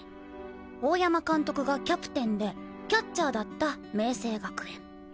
大山監督がキャプテンでキャッチャーだった明青学園。